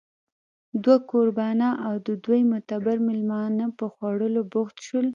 دوه کوربانه او د دوی معتبر مېلمانه په خوړلو بوخت شول